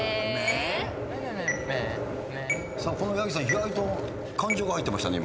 意外と感情が入ってましたね